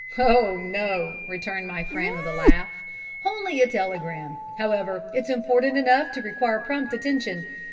"Oh no," returned my friend, with a laugh "only a telegram. However, it's important enough to require prompt attention.